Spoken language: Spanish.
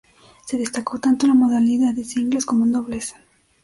Se destacó tanto en la modalidad de singles como en dobles.